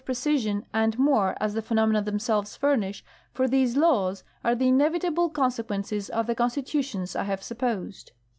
precision and more as the phenomena themselves furnish, for these laws are the inevitable consequences of the constitutions I have supposed.